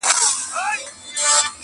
o په يوه موزه کي دوې پښې نه ځائېږي٫